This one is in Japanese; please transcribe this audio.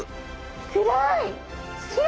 暗い！